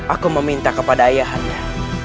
aku meminta kepada ayah anda